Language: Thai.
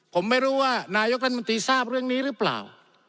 ผมไม่รู้ว่านายกรัฐมนตรีทราบเรื่องนี้หรือเปล่า